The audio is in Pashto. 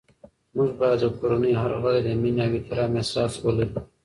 موږ باید د کورنۍ هر غړی د مینې او احترام احساس ولري